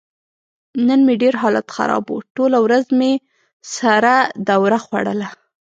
نن مې ډېر حالت خراب و. ټوله ورځ مې سره دوره خوړله.